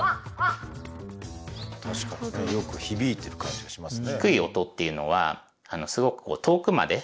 確かにねよく響いてる感じがしますね。